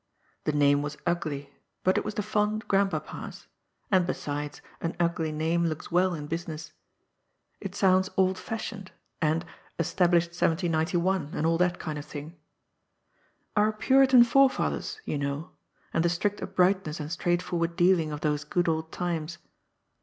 The name was ugly, but it was the fond grandpapa's ; and, besides, an ugly name looks well in business. It sounds old fashioned, and " established 1791," and all that kind of thing. " Our Puritan forefathers," you know, and the strict uprightness and straightforward dealing of those good old times.